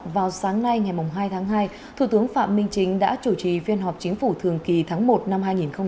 vào sáng nay ngày hai tháng hai thủ tướng phạm minh chính đã chủ trì phiên họp chính phủ thường kỳ tháng một năm hai nghìn hai mươi